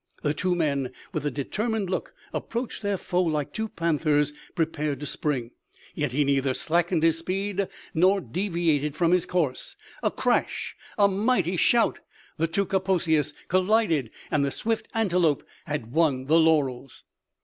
The two men, with a determined look approached their foe like two panthers prepared to spring; yet he neither slackened his speed nor deviated from his course. A crash a mighty shout! the two Kaposias collided, and the swift Antelope had won the laurels!